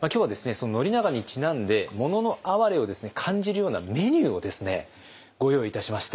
その宣長にちなんで「もののあはれ」を感じるようなメニューをですねご用意いたしました。